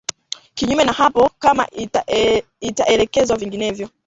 kinyume na hapo kama itaelekezwa vinginevyo